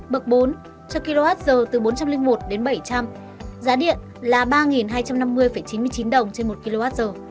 bậc bốn cho kwh từ bốn trăm linh một đến bảy trăm linh giá điện là ba hai trăm năm mươi chín mươi chín đồng trên một kwh